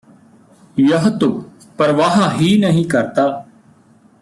ਯਹ ਤੋਂ ਪ੍ਰਵਾਹ ਹੀ ਨਹੀਂ ਕਰਤਾ